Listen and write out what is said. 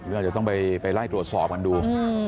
อาจจะต้องไปไล่ตรวจสอบกันดู